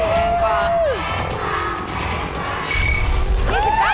แพงกว่าแพงกว่า